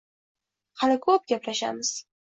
Hali ko‘p gaplashamiz